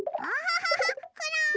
あら？